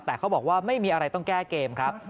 แต่เขาบอกว่าไม่มีอะไรต้องแก้เกมครับ